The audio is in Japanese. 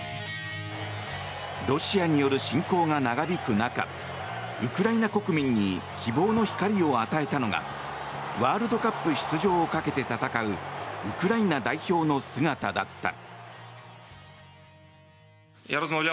ロシアによる侵攻が長引く中ウクライナ国民に希望の光を与えたのがワールドカップ出場をかけて戦うウクライナ代表の姿だった。